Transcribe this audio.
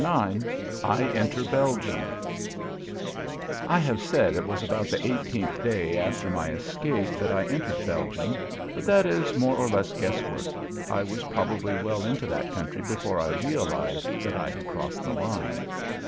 IX I ENTER BELGIUM I have said it was about the eighteenth day after my escape that I entered Belgium, but that is more or less guesswork. I was possibly well into that country before I realized that I had crossed the line.